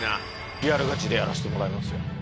リアルガチでやらしてもらいますよ。